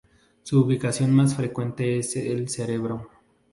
Su ubicación más frecuente es el cerebro.